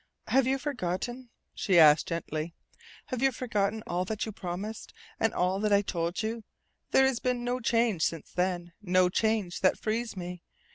"Have you forgotten?" she asked gently. "Have you forgotten all that you promised, and all that I told you? There has been no change since then no change that frees me.